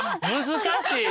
難しい人。